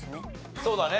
そうだね。